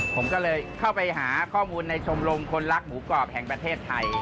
ผมก็เลยเข้าไปหาข้อมูลในชมรมคนรักหมูกรอบแห่งประเทศไทย